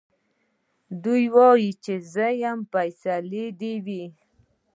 دی وايي چي زه يم فيصلې دي وي